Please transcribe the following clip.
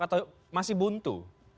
atau masih buntu